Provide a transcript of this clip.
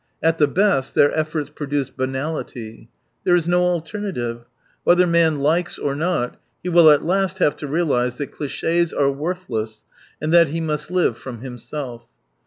At the best, their efforts produced banality. There is no alternative. Whether man likes or not he will at last have to realise that cliches are worthless, and that he must live from himself.